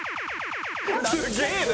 すげえな！